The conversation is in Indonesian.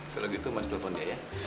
kalau gitu mas telfon dia ya